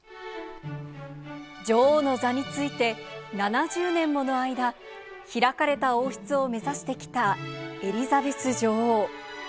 女王の座に就いて７０年もの間、開かれた王室を目指してきたエリザベス女王。